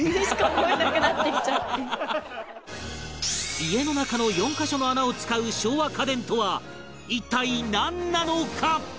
家の中の４カ所の穴を使う昭和家電とは一体なんなのか？